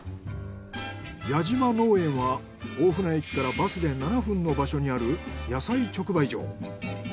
矢島農園は大船駅からバスで７分の場所にある野菜直売所。